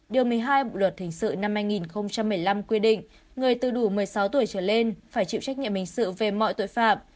điều một mươi hai bộ luật hình sự năm hai nghìn một mươi năm quy định người từ đủ một mươi sáu tuổi trở lên phải chịu trách nhiệm hình sự về mọi tội phạm